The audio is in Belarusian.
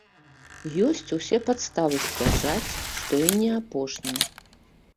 Ёсць усе падставы сцвярджаць, што і не апошняя.